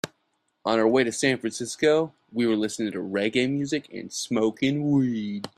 On our way to San Francisco, we were listening to reggae music and smoking weed.